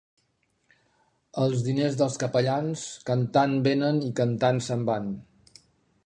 Els diners dels capellans, cantant venen i cantant se'n van.